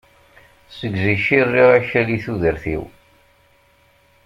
Seg zik i rriɣ akal i tudert-iw.